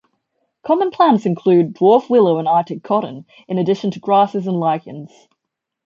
Common plants include dwarf willow and Arctic cotton, in addition to grasses and lichens.